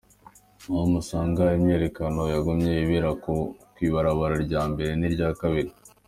Aho ku Musaga imyiyerekano yagumye ibera kw’ibarabara rya mbere n’irya kabiri.